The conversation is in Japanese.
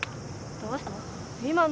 どうしたの？